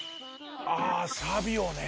あサビオね。